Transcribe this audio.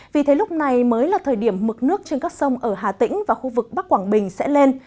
vì thế lúc này mới là thời điểm mực nước trên các sông ở hà tĩnh và khu vực bắc quảng bình sẽ lên